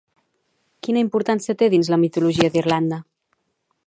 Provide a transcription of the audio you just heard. Quina importància té dins la mitologia d'Irlanda?